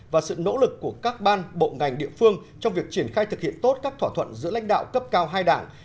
và sự nỗ lực của các ban bộ ngành địa phương trong việc triển khai thực hiện tốt các thỏa thuận giữa lãnh đạo cấp cao hai đảng